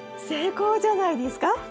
成功じゃないですか？